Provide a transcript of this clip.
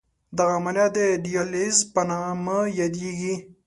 دغه عملیه د دیالیز په نامه یادېږي.